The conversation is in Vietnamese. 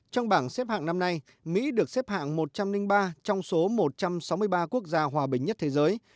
trong bảng xếp hạng năm nay mỹ được xếp hạng một trăm linh ba trong số một trăm sáu mươi ba quốc gia hòa bình nhất thế giới